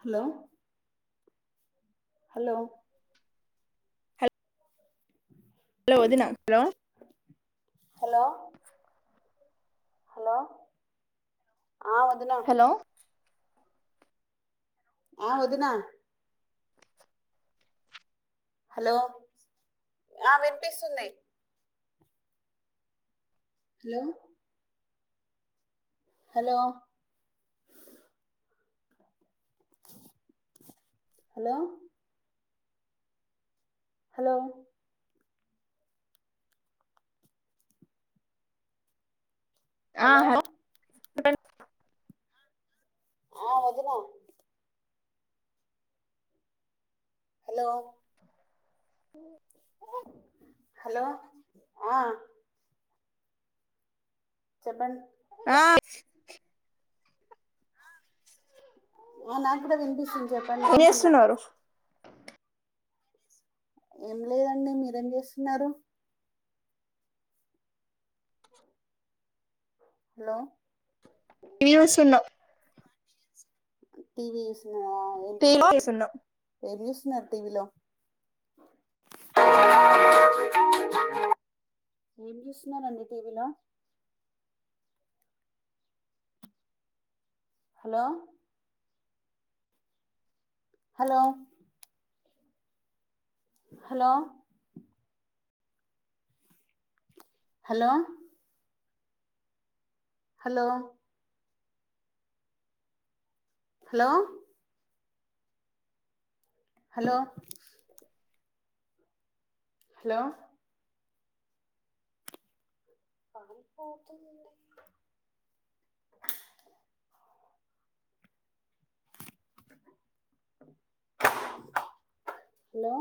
Hello hello hello ఒదినా hello hello hello ఆ వదినా హలో ఆ ఒదిన hello hello hello hello hello ఆ హలో హల్ అటెన్ ఆ వదిన హలో ఊ హలో ఆ చెప్పండి ఆ ఆ నాకు కూడా వినిపిస్తుంది చెప్పండి ఏం ఏంటన్న చేస్తున్నారు ఏం లేదండి మీరేం చేస్తున్నారు హలో టీవీ యూసున టీవీ యూస్ తిని కూసున్న [unintelligible] hello hello hello hello hello hello hello hello లో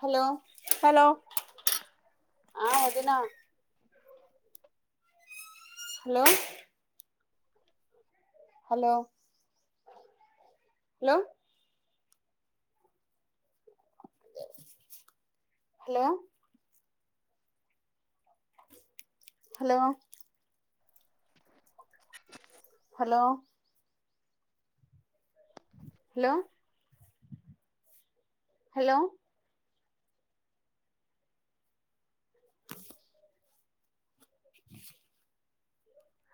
హలో హలో ఆ ఒదినా హలో హలో లో hello hello hello hello hello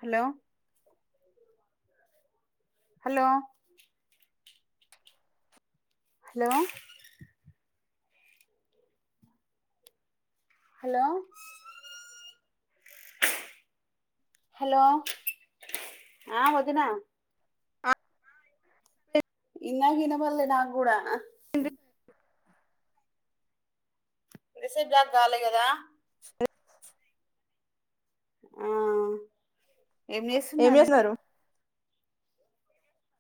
hello hello hello hello hello ఆ వదనా ఆ [unintelligible] ఇన్నగిన వినబల్లె నా కూడా రసబ్ జా గాలే కదా [unintelligible] ఆ ఏం చేస్తున్నారు?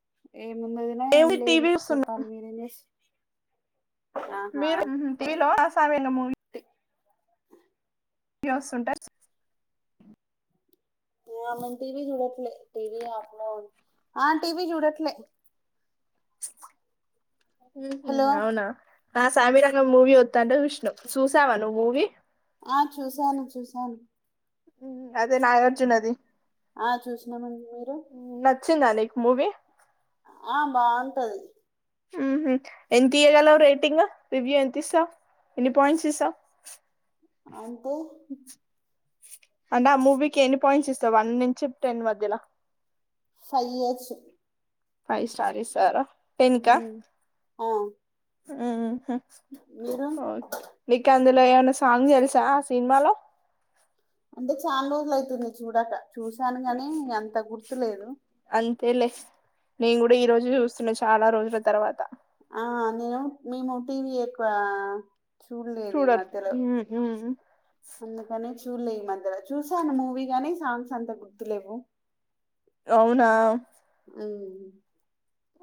[inaudible] ఏముంది వదినా ఏం ఏమి లేదు టీవీ చూస్తున్నా చెప్పాలి మీరేనే మీరు తీలోసమూ ఏ వస్తుంటారు మ టీవి చుడట్లే టీవి అమ్మో టీవీ చుడట్లే ఉహు హలో అవునా నా సామి రంగ మూవీ వత్తంటే చూసినం, చూసావా నువ్వు మూవీ. ఆ చూసాను చూసాను అదే నాగార్జునది ఆ చూసినామండి మీరు నచ్చిందా నీకు మూవీ ఆ బాగుంటది. ఉహు ఎంత ఇయగలవు రేటింగ్ రివ్యూ ఎంత ఇస్తావు, ఎన్ని పాయింట్స్ ఇస్తావు. అంటే అంటే ఆ మూవీకి ఎన్ని పాయింట్స్ ఇస్తాయి, వన్ నుంచి టెన్ మధ్యలో ఫైవ్ ఇయచ్చు. ఫైవ్ స్టార్ ఇస్తారా ఆ ఆ మీరు ఓకే నికాంద లో ఏమైన్నా సాంగ్ తెలుసా సినిమాలో అంటే చాలా రోజులు అవుతుందియి చూడాక చూసాను గాని అంత గుర్తులేదు. అంతెలే నేను కూడా ఈ రోజు చూస్తున్నా చాలా రోజుల తర్వాత. ఆ నేను మేము టీవి ఎక్కువ చూడరు ఊ హు హు అందుకనేే చూలే ఈ మధ్యలో చూసాను మూవీ గానీ సాంగ్స్ అంత గుర్తులేవు అవునా అవు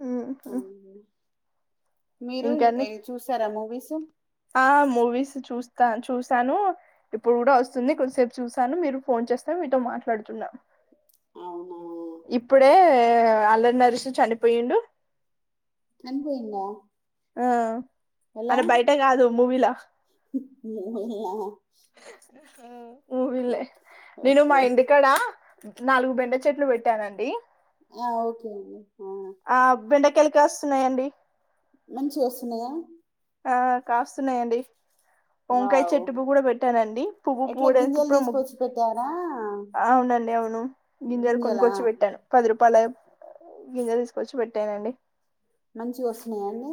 ఆ మీరు చూసారా మూవీ సం ఆ మూవీస్ చూస్తా చూసాను ఇప్పుడు కూడా వస్తుంది కొద్సేపు చూసాను మీరు ఫోన్ చేస్తా మీతో మాట్లాడుతున్నాం అవునా ఇప్పుడే అల్లరి నరిసి చనిపోయిండు అనుభయింద ఆ హలా ఆయన బయట కాదు మూవీలా అ ఊ వళ్ళలే నేను మా ఓకే ఇంటికాడ నాలుగు బెండ చెట్లు పెట్టానండి ఆ ఓకే అండి ఆ బెండకలు కాస్తున్నాయండి మంచి వస్తున్నాయా ఆ కాస్తున్నాయండి వంకాయ వావ్ చెట్టు పూ కూడా పెట్టానండి పువ్వు ఎట్లా పూడకి గింజలు ఇప్పుడు తీసుకొచ్చి పెట్టారా అవునండి అవును గింజర గింజలా కొనుకొచ్చి పెట్టాను పది రూపా పల గింజ తీసుకొచ్చి పెట్టానండి మంచి వస్తున్నాయాండి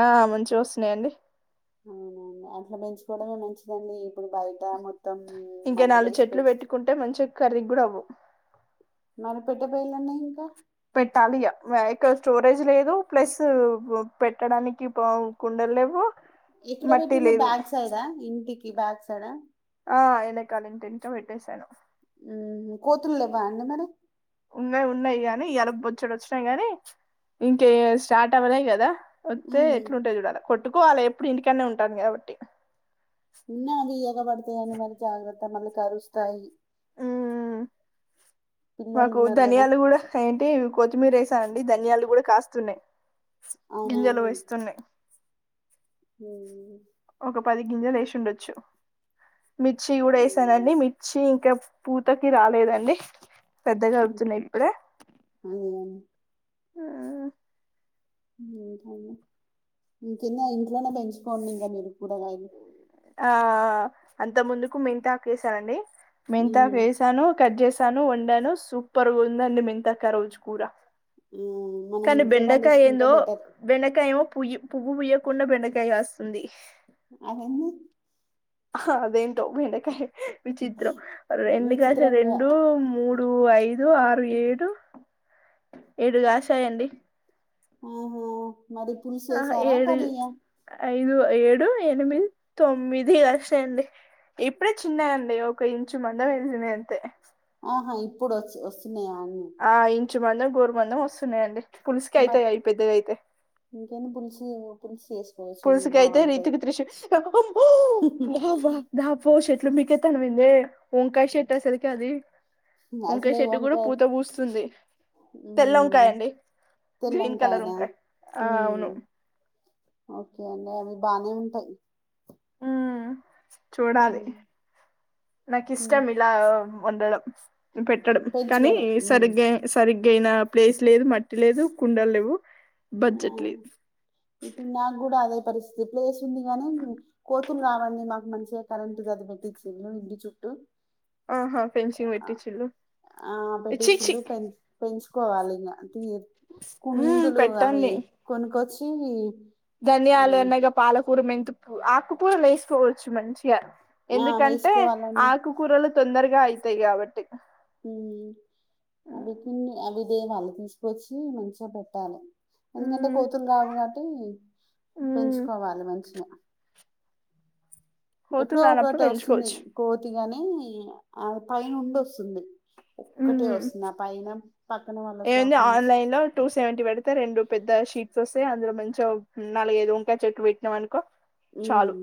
ఆ ముంచి వస్తున్నాయండి అవునండి అంట్లో పెంచుకోవడమే మంచిదండి ఇప్పుడు బయట మొ ఇంకా నాలుగు చెట్లు పెట్టుకుంటే మంచిగా కర్రీ కూడా అవ్వదు మొన్న పెట్టే బోయిందన్నా రంటా పెట్టాలి గా ఇక్క [unintelligible] స్టోరేజ్ లేదు ప్లస్ పెట్టడానికి కుండలు లేవు ఎక్కడ మట్టి పెట్టిన లేదు బ్యాగ్స్ ఐదా ఇంటికి ఈ బ్యాగ్స్ కదా ఆ ఎళ్లే కాలనింటెంట [unintelligible] పెట్టేసాను కోతులు లెవ్వ అండి మరి ఉన్నాయి ఉన్నాయి గానీ ఇయ్యాల బొచ్చుడు వచ్చినాయి గాని ఇంకే స్టార్ట్ అవ్వలేదు కదా వస్తే ఉమ్. ఎట్లుంటాయి చూడాలి కొట్టుకోవాలి ఇప్పుడు ఇంటికానీ ఉంటాను కాబట్టి నిన్న బి ఏగా పడతాయి అని మరి జాగ్రత్త మిమల్ని కరుస్తాయి ఉమ్, పిల్లలు మాకు ఉన్నారు కదా ధనియాలు కూడా ఏంటి కొత్తిమీర వేసానండి ధనియాలు కూడా కాస్తున్నాయి గింజలు వేస్తున్నాయి హమ్ ఒక పది గింజలు వేస్ ఉండొచ్చు మిర్చి కూడా వేసానండి మిర్చి ఇంకా పూతకి రాలేదండి పెద్దగా ఉమ్, వచ్చినాయి ఇప్పుడే ఉమ్. ఆ ఇంకాండీ హ్మ్ కింద ఇంట్లోనే పెంచుకోండి ఇంకా మీరు కూరగాయలు ఆ అంత ముందుకు మెంతకు వేసానండి మెంతకు ఉమ్, వేసాను కట్ జెస్త్ తను ఉండాను సూపర్గా ఉందండి మెంతాకు ఆ రోజ్ కూరా ఉమ్, మనం కానీ ఇంట్లో బెండకాయ పండించుకుంటే ఏందో బెటర్ బెండకాయ్ యేవో పూవ్యూ పువ్వు పూయకుండా బెండకాయ కాస్తుంది ఆనంది ఆ అదేంటో బెండకాయ విచిత్రం రెండు కాసలు విచిత్రంగా రెండు మూడు ఐదు ఏ ఆరు ఏడు ఏడు కాచాయండి ఆహా మరి పులుసు ఆహా వేసారా ఏడు కర్రీయా ఐదు ఏడు ఇప్పుడు ఎనిమిది తొమ్మిది లక్షాయండి ఇప్పుడే చిన్నయండి ఒక ఇంచు మంద వెలిసిన అంతే ఆహా ఇప్పుడు వ స్న్యను మంచంచి మందం గోరు మందం వస్తున్నాయండి పులిస్కి మరి అయితేయి పెద్దగా అయితే ఇ పుల్సుకియితే ర ఇతికి త్రిషు వా్ వా నా పోష లు మీికే తన మీందే య చెషట్ సరికి అది వంకా అసలే చెట్టు కూడా వంకాయ పూత పూస్తుంది తెల్ల హ్మ్ వంకాయండి గ్రీన్ కలర్ తెల్లంకాయనా వంకాయ హ్మ్ అవును ఓకే అండి అవి బానే ఉంటాయి హ చూడాలి హ్మ్ నాకు ఇష్టం ఇలా మండలం పెట్టడం కానీ పెంచుకోవడం హ్మ్ సరిగగా సరిగగా ఇంకైనా ప్లేస్ లేదు మట్టి లేదు కుండ లేవు బజెట్లీ ఆ ఇప్పుడు నాకు కూడా అదే పరిస్థితి ప్లేస్ ఉంది కాని కోతులు రావండి మాకు మంచిగా కరెంట్ కది పెట్టిచ్చ ఇళ్ళలు ఇంటి చుట్టూ ఆహా ఫెన్సింగ్ పెట్టి చిల్లు చి చి కోవాలి ఇంగ మ్మ్ కుందులు ఆ అయి పెట్టండి కొనుకచ్చు ఇన్నిఈ ధనియాలు అన్నగ పాలకూర మెన్ ఉప్పు ఆకుకూర లేసుకోవచ్చు మంచిగా ఆ ఎందుకంటే వేసుకోవాలండి ఆకుకూరలు తొందర్ గా ఇస్తాయి కావట్టి హ్మ్. అదే వాళ్ళు తీసుకొచ్చి మంచిగా పెట్టాలి ఎందుకంటే కోతులు రావు కాట్టి పెంచుకోవాలి మంచిగా ఎప్పుడో కోతులు రానప్పుడు ఒకటి వస్తుంది పెంచుకోవచ్చు కోతి గాని ఇ ఆ పై నుండి వస్తుంది ఉ ఒక్కటే వస్తుంది ఆ పైన పక్కన వాళ్ళ ఏమైంది స్లాప్ నుంచి. ఆన్లైన్ లో టూ సెవెంటీ పెడితే రెండు పెద్ద షీట్స్ వస్ పె అందులో మంచిగా నాలుగు ఐదు వంకాయ చెట్లు వెట్టినం అనుకో ఉ చాలు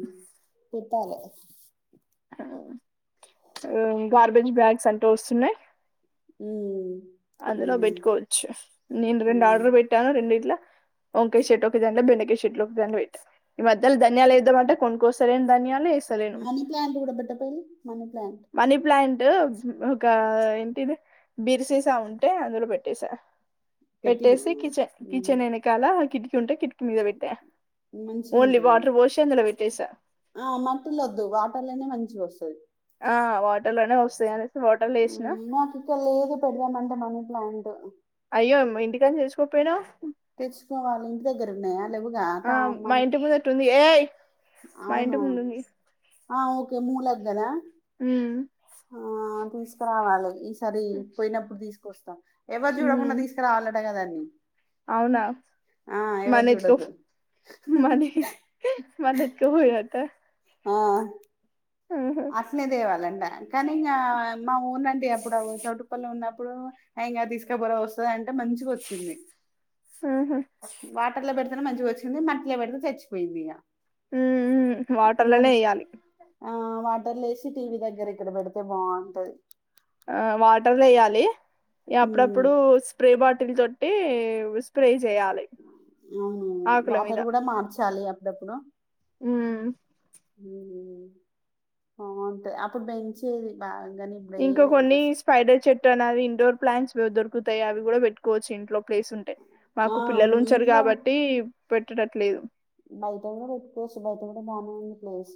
పెట్టాలే అవ ఉ గార్బేజ్ బ్యాగ్స్ అన్ టోసునే ఉ అందులో బెట్టుకోవచ్చు నేను రెండు హ్మ్. ఆర్డర్ బెట్టాను రెండి ఇట్లా వంకాయ చెట్లు ఒకదాంట్ల బెండకాయ చెట్లు ఒకదాంట్ల వెట్ ఈ మధ్యల ధనియాలు ఏద్దాం అంటే కోనుకోస్తా లేను ధనియాలు ఎత్ మనీ ప్లాంట్ గుడా బెట్టాపేలు మనీ ప్లాంట్ మనీ ప్లాంట్ ఒక ఏంటిది బిర్సేస్ తా ఉంటే అందులో బెట్టేసా పెట్టేసి పెట్టినవా? కిచెన్ కిచెన్ వెనకాల కిటికి ను ఉంటే కిటిక్ మంచిగా ఉంటంది అని వాటర్ పోసి అందులో పెట్టేసా ఆ మట్టిల వద్దు వాటర్లోనే మంచిగా వస్తది ఆ వాటర్ లో నే వస్తాయి అని ఉ మాకు ఇక్కడ లేదు పెడుదాం అంటే మనీ ప్లాంట్ తానా అయ్యో ఇంటికని నుంచి తెచ్చుకోపోయినావు తెచ్చుకోవాలి దగ్గరున్నయా లేవుగా ఆ మా తామన్ ఇంటి ముందట ఉంది ఏయ్ మా ఇంటి ముందుంది ఆ ఓకే మూలక్ గదా మ్మ్ ఆ తీసకరావాలి ఇస్ సరి పోయినప్పుడు దీస్ కొస్తా ఎవరు చూడకుండా ఉమ్, తీసుకురావాలట కదా అవునా ఎవరు చూడొద్దు [unintelligible] ఆ ఉహు అసలే దేవాలండే కానీ ఇంగా మా ఊనండి అప్పుడు చౌటుప్పల్ లో ఉన్నప్ పుడు హ ఇంగా తీసుకపోరా వస్తుది అంటే మంచిగ వొచ్చింది ఉహు వాటర్ల పెడ్త్ తనే మంచిగా వచ్చింది మట్లో పెడితే తెచ్చిపోయిందిగ ఉ ఊ వాటర్లోనే ఎయ్యాలి మాటర్ లేసి టీ వీ దగ్గర ఇక్కడ పెడితే బావుంటది ఆ వాటర్ ఏయాలి ఇగ ఉమ్ అప్పుడప్పుడు స్ప్రే బాట్ టిల్ తొట్టి వి స్ప్రే చేయాలి అం వాటర్ కూడా మార్చాలి అ డెప్పుడు ఊ ఆ అంతే అప్పుడు పెంచిలి బాగ్ ఇంకా కొన్ని స్పైడర్ చెట్ అన్నాది ఇండోర్ ప్లాంట్స్ [inaudible] గుతాయి అవి కూడా పెట్టుకోవచ్చు ఇంట్లో ప్లేస్ ఉంటే ఆ మాకు పిల్లలు ఉంచరు ఇంట్లో కాబట్టి పెట్టేటట్లు లేదు బయట కూడా పెట్టేసు బయట కూడా బానే ఉంది ప్లేస్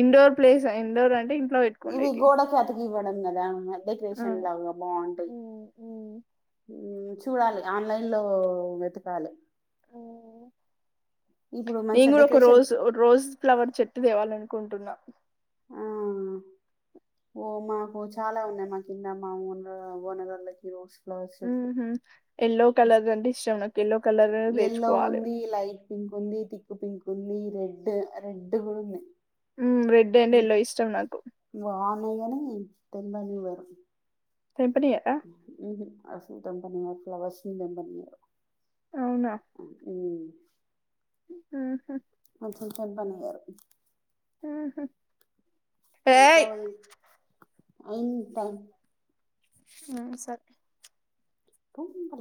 ఇండోర్ ప్లేస్ ఇండోర్ అంటే ఇంట్లో ఇది పెట్టుకుండేటి గోడఖ్యాతకి ఇవ్వడ ద ఆ డెకరేషన్ లాగా బాగుంటాయి చూడాలి ఆన్లైన్ లో వెతకాలి ఇప్పుడు నేను మంచిగా కూడా ఒక డెకరేషన్ రోస్ రోస్ ఫ్లవర్ చెట్టు తేవాలండి కుంటున్నా ఆ ఓ మాకు చాలా ఉన్నాయి మా కింద మా ఓనర్ ఓనర్వాల్లకి ఉ హ ఎల్లో కలర్ అంటే ఇష్టం నాకు ఎల్లో కలర్ ఎల్లో తెచ్చుకోవాలి. ఉంది లైట్ పింక్ ఉంది తిక్ పింక్ ఉంది రెడ్ రెడ్ కూడాంది రెడ్ అండ్ ఎల్లో ఇష్టం నాకు అగని తెంపని వర తెంపనీయరా? ఉ అసలుదంబనేయా ఫ్లావర్స్ నిదంబనీ అవునా? ఉ ఆహ ఇంకేం వన్ యియర్ [unintelligible] ఆహా ఇంకా ఇంకా ఆ సరే తం